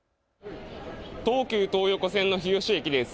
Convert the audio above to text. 東急東横線の日吉駅です。